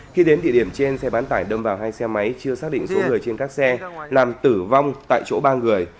khi đến địa điểm trên xe bán tải đâm vào hai xe máy chưa xác định số người trên các xe làm tử vong tại chỗ ba người